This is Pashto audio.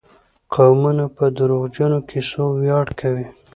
قومونه په دروغجنو کيسو وياړ کوي.